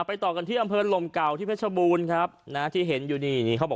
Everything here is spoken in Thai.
ไปต่อกันที่อำเพินลมเก่าที่เช้าบุนนะที่เห็นอยู่นี่